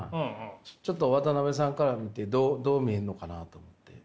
ちょっと渡辺さんから見てどう見えるのかなと思って。